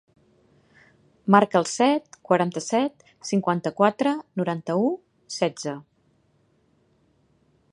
Marca el set, quaranta-set, cinquanta-quatre, noranta-u, setze.